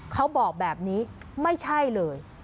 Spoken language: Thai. เขาบอกแบบนี้ไม่ใช่เลย